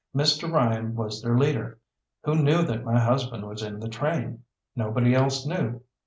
Mr. Ryan was their leader, who knew that my husband was in the train. Nobody else knew.